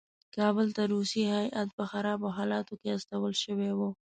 کابل ته روسي هیات په خرابو حالاتو کې استول شوی وو.